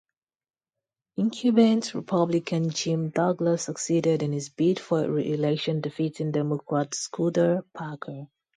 Incumbent Republican Jim Douglas succeeded in his bid for re-election, defeating Democrat Scudder Parker.